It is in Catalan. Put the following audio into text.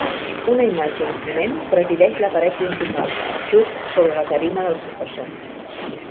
Una imatge imponent presideix la paret principal, just sobre la tarima del professor.